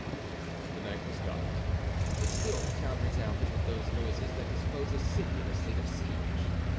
The night was dark, but still the town resounded with those noises that disclose a city in a state of siege.